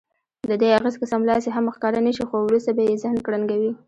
ددې اغېز که سملاسي هم ښکاره نه شي خو وروسته به یې ذهن کړنګوي.